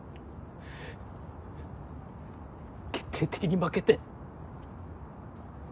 決定的に負けて。